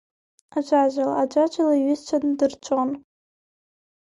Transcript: Аӡәаӡәала, аӡәаӡәала иҩызцәа ндырҵәон…